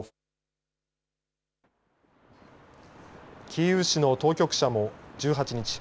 キーウ市の当局者も１８日